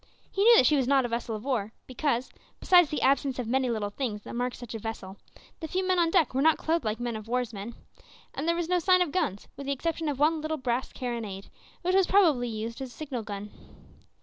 He knew that she was not a vessel of war, because, besides the absence of many little things that mark such a vessel, the few men on deck were not clothed like man of war's men, and there was no sign of guns, with the exception of one little brass carronade, which was probably used as a signal gun.